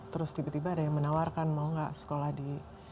terus tiba tiba ada yang menawarkan mau nggak sekolah di